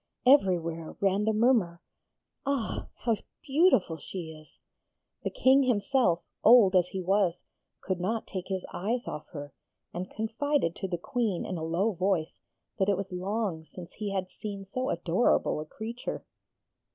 Everywhere ran the murmur, 'Ah! how beautiful she is!' The King himself, old as he was, could not take his eyes off her, and confided to the Queen in a low voice that it was long since he had seen so adorable a creature.